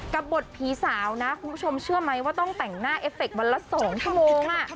กับบทผีสาวนะคุณผู้ชมเชื่อไหมว่าต้องแต่งหน้าเอฟเฟควันละ๒ชั่วโมง